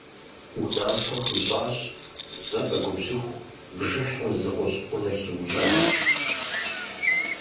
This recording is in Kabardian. Унафэ хуищӀащ зэ къэгубжьыху бжыхьым зы гъущӀ Ӏунэ хиукӀэну.